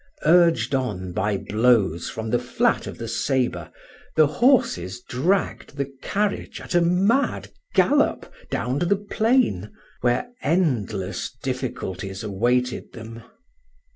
Urged on by blows from the flat of the sabre, the horses dragged the carriage at a mad gallop down to the plain, where endless difficulties awaited them.